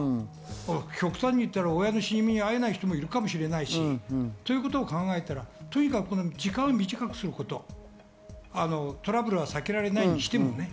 極端に言ったら親の死に目に会えない人もいるかもしれないし、ということを考えたら、とにかく時間を短くすること、トラブルは避けられないにしてもね。